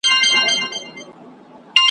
ته بندي دخپل فکرونو د عامله